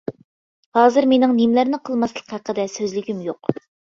ھازىر مېنىڭ نېمىلەرنى قىلماسلىق ھەققىدە سۆزلىگۈم يوق.